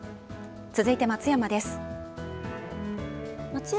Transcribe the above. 続いて、松山です。